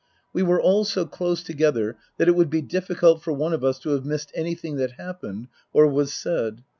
We were all so close together that it would be difficult for one of us to have missed anything that happened or was said.